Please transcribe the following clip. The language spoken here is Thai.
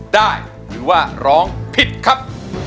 ได้หรือว่าร้องผิดครับ